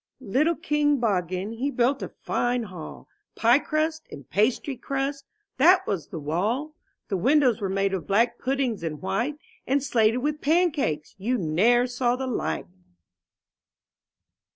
21 MY BOOK HOUSE T ITTLE King Boggin, he built a fine hall, '*' Pie crust and pastry crust, that was the wall; windows were made of black puddings and white. And slated with pancakes — you ne*er saw the like.